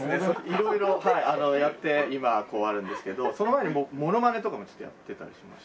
色々はいやって今こうあるんですけどその前にモノマネとかもちょっとやってたりしまして。